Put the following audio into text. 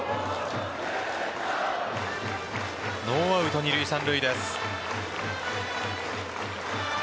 ノーアウト二塁・三塁です。